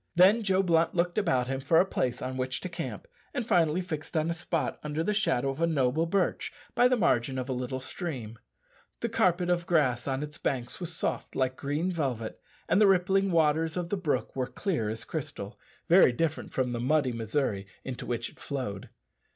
Then Joe Blunt looked about him for a place on which to camp, and finally fixed on a spot under the shadow of a noble birch by the margin of a little stream. The carpet of grass on its banks was soft like green velvet, and the rippling waters of the brook were clear as crystal very different from the muddy Missouri into which it flowed.